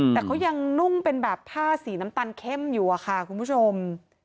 แต่เขายังนุ่งเป็นแบบผ้าสีน้ำตาลเข้มอยู่อะค่ะคุณผู้ชม